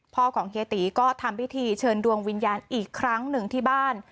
พ่อของเฮียตีก็ทำพิธีเชิญดวงวิญญาณอีกครั้งหนึ่งที่บ้าน